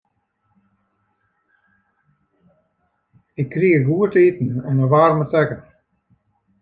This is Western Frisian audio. Ik krige goed te iten en in waarme tekken.